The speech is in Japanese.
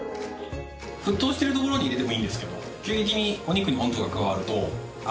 沸騰しているところに入れてもいいんですけどこの脂これ。